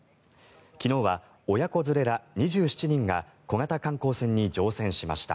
昨日は親子連れら２７人が小型観光船に乗船しました。